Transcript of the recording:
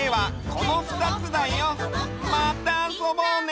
またあそぼうね！